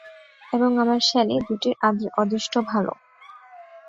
এবং আমার শ্যালী দুটির অদৃষ্ট ভালো।